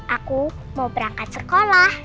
aku mau berangkat sekolah